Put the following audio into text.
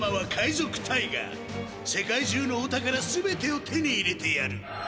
世界中のお宝全てを手に入れてやる。